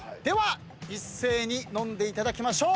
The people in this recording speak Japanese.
一斉に飲んでいただきましょう。